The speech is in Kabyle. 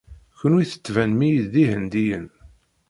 Kenwi tettbanem-iyi-d d Ihendiyen.